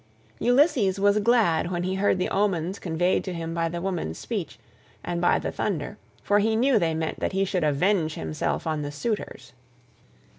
Ulysses was glad when he heard the omens conveyed to him by the woman's speech, and by the thunder, for he knew they meant that he should avenge himself on the suitors.